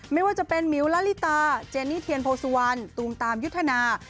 ไม่ว่าจะเป็นมิวละลิตาเจนี่เทียนโพสุวรรณตูมตามยุทธนา